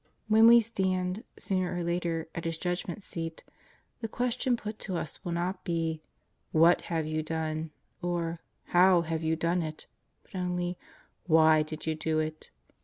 When we stand, sooner or later, at His Judgment Seat, the ques tion put to us will not be: "What have you done?" or "How have you done it?" but only "Why did you do it?"